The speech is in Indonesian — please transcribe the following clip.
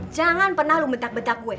jangan pernah lo mentak mentak gue